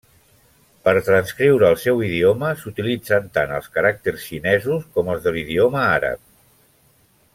Per transcriure el seu idioma, s'utilitzen tant els caràcters xinesos com els de l'idioma àrab.